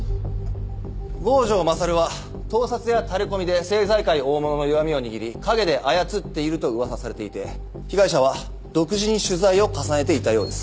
郷城勝は盗撮やタレコミで政財界大物の弱みを握り陰で操っていると噂されていて被害者は独自に取材を重ねていたようです。